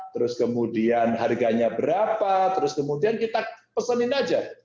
terus kemudian harganya berapa terus kemudian kita pesenin aja